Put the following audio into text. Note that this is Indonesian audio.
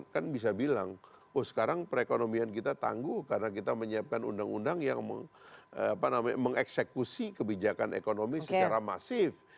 kan bisa bilang oh sekarang perekonomian kita tangguh karena kita menyiapkan undang undang yang mengeksekusi kebijakan ekonomi secara masif